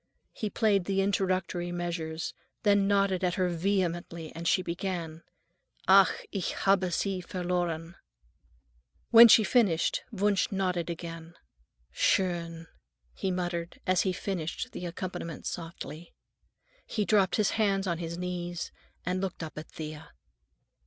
He played the introductory measures, then nodded at her vehemently, and she began:— "Ach, ich habe sie verloren." When she finished, Wunsch nodded again. "Schön," he muttered as he finished the accompaniment softly. He dropped his hands on his knees and looked up at Thea.